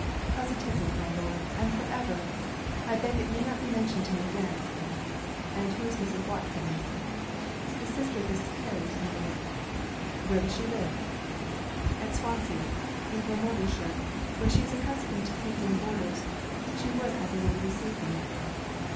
'Positively, my Lord and for ever! I beg it may not be mentioned to me again!' 'And who is Mrs. Watkins?' 'The sister of Mrs. Carey, my Lord.' 'Where does she live?' 'At Swansea in Glamorganshire; where she is accustomed to take in boarders. She would, I believe, receive me.'